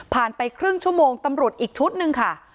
ไปครึ่งชั่วโมงตำรวจอีกชุดหนึ่งค่ะ